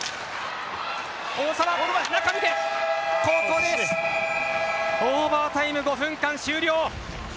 ここでオーバータイム５分間終了。